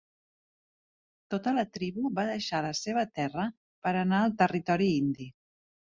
Tota la tribu va deixar la seva terra per anar al Territori Indi.